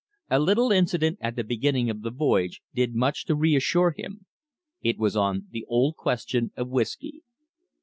A little incident at the beginning of the voyage did much to reassure him. It was on the old question of whisky.